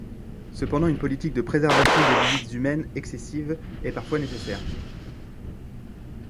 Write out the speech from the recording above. Cependant, une politique de préservation des visites humaines excessives est parfois nécessaire.